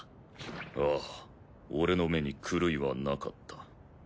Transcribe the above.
ああ俺の目に狂いはなかった。